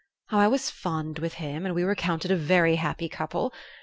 Oh, I was fond of him, and we were counted a very happy couple.